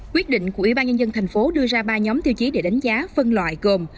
quyết định của ủy ban nhân dân thành phố đưa ra ba nhóm tiêu chí để đánh giá phân loại gồm